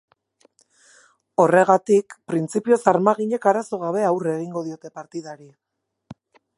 Horregaitik printzipioz armaginek arazo gabe aurre egingo diote partidari.